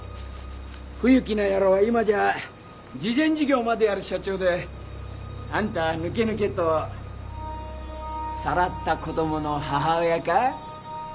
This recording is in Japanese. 冬木の野郎が今じゃ慈善事業までやる社長であんたはぬけぬけとさらった子供の母親か？